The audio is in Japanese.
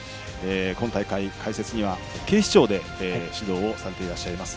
今大会、解説には警視庁で指導をされていらっしゃいます